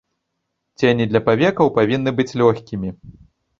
Цені для павекаў павінны быць лёгкімі.